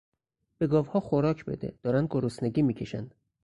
به گاوها خوراک بده، دارند گرسنگی میکشند.